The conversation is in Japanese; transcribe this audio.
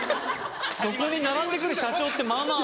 そこに並んで来る社長ってまぁまぁ。